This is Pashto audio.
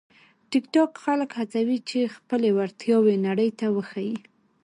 ټیکټاک خلک هڅوي چې خپلې وړتیاوې نړۍ ته وښيي.